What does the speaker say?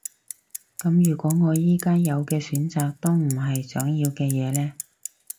噉如果我而家有嘅選擇都唔係想要嘅嘢呢？